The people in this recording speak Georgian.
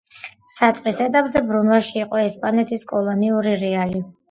საწყის ეტაპზე, ბრუნვაში იყო ესპანეთის კოლონიური რეალი.